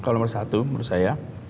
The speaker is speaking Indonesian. kalau nomor satu menurut saya